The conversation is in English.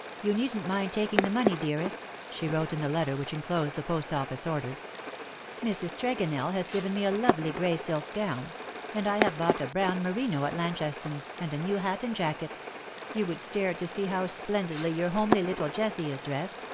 " You needn't mind taking the money, dearest," she wrote in the letter which enclosed the Post Office order. " Mrs. Tregonell has given me a lovely grey silk gown ; and I have bought a brown merino at Launceston, and a new hat and jacket. You would stare to see how splendidly your homely little Jessie is dressed!